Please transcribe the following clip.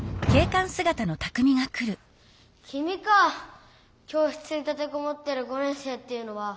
きみか教室に立てこもってる５年生っていうのは。